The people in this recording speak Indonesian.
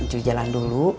cuy jalan dulu